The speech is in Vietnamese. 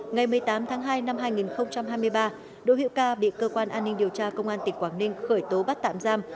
ngày một mươi tám tháng hai năm hai nghìn hai mươi ba đỗ hữu ca bị cơ quan an ninh điều tra công an tỉnh quảng ninh khởi tố bắt tạm giam